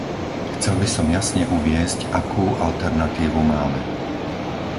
Chcel by som jasne uviesť, akú alternatívu máme.